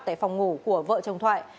tại phòng ngủ của vợ chồng thoại